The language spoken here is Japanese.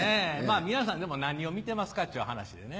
皆さんでも何を見てますかっちゅう話でね。